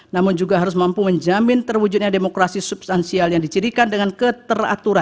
namun juga harus mampu menjamin terwujudnya demokrasi substansial yang dicirikan dengan keteraturan